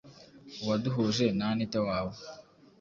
uwaduhuje na anita wawe